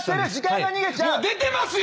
もう出てますよ。